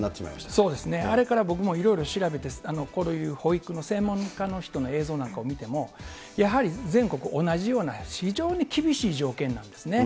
そうですね、あれから僕もいろいろ調べて、保育の専門家の人の映像なんかを見ても、やはり全国同じような非常に厳しい条件なんですね。